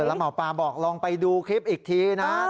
แล้วหมอปลาบอกลองไปดูคลิปอีกทีนะ